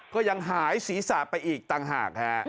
ก็ยังหายศีรษะไปอีกต่างหากฮะ